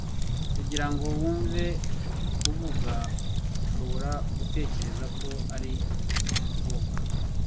Kugira ngo wumve avuga, ushobora gutekereza ko ari umukobwa.